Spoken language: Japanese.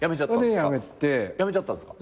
やめちゃったんすか？